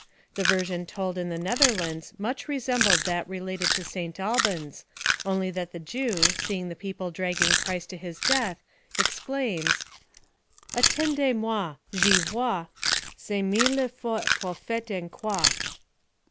The version told in the Netherlands much resembled that related at St. Albans, only that the Jew, seeing the people dragging Christ to his death, exclaims, "Atendés moi! g'i vois, S'iert mis le faus profète en crois."